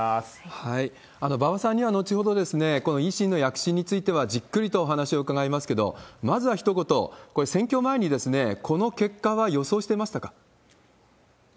馬場さんには後ほど、この維新の躍進についてはじっくりとお話を伺いますけど、まずはひと言、これ、選挙前にこの結果は予想してましたか？